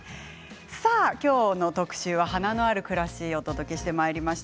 今日の特集は花のある暮らしを特集してまいりました。